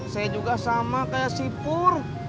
saya juga sama kayak si pur